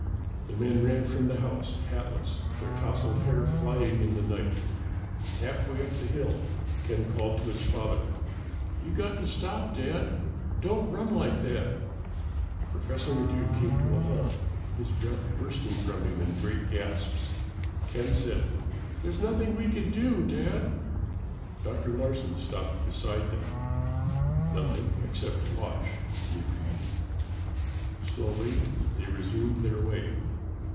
The men ran from the house, hatless, their tousled hair flying in the night. Halfway up the hill, Ken called to his father, "You've got to stop, Dad! Don't run like that!" Professor Maddox came to a halt, his breath bursting from him in great gasps. Ken said, "There's nothing we can do, Dad." Dr. Larsen stopped beside them. "Nothing except watch," he agreed. Slowly, they resumed their way.